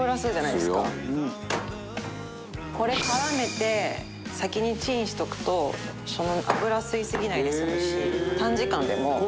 これ絡めて先にチンしとくと油吸いすぎないで済むし短時間でもしっかりやわらかくなる。